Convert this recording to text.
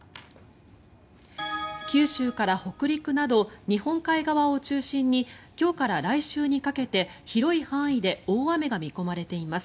九州から北陸など日本海側を中心に今日から来週にかけて広い範囲で大雨が見込まれています。